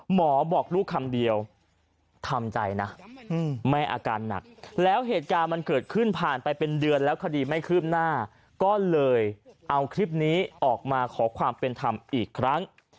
บอกลูกคำเดียวทำใจนะแม่อาการหนักแล้วเหตุการณ์มันเกิดขึ้นผ่านไปเป็นเดือนแล้วคดีไม่คืบหน้าก็เลยเอาคลิปนี้ออกมาขอความเป็นธรรมอีกครั้ง